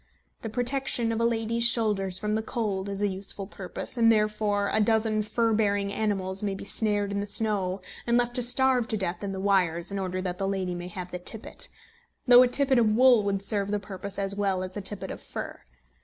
The protection of a lady's shoulders from the cold is a useful purpose; and therefore a dozen fur bearing animals may be snared in the snow and left to starve to death in the wires, in order that the lady may have the tippet, though a tippet of wool would serve the purpose as well as a tippet of fur.